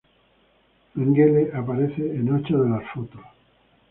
Mengele aparece en ocho de las fotos.